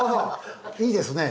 いいですね。